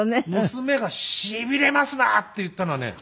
娘が「しびれますな」って言ったのはね